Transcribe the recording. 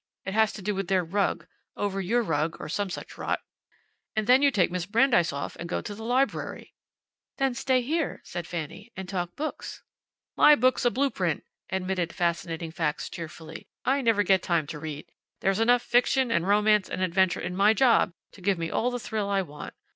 It has to do with their rug, over your rug, or some such rot. And then you take Miss Brandeis and go off into the library." "Then stay here," said Fanny, "and talk books." "My book's a blue print," admitted Fascinating Facts, cheerfully. "I never get time to read. There's enough fiction, and romance, and adventure in my job to give me all the thrill I want.